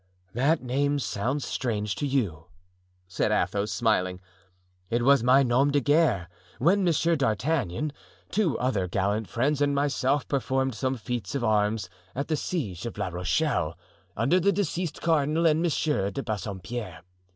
"That name sounds strange to you," said Athos, smiling; "it was my nom de guerre when Monsieur D'Artagnan, two other gallant friends and myself performed some feats of arms at the siege of La Rochelle, under the deceased cardinal and Monsieur de Bassompierre.